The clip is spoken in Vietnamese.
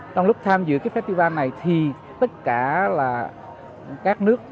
trong lúc tham dự cái festival này thì tất cả là các nước